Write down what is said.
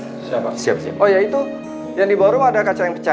tolong berusaha pendentikan ya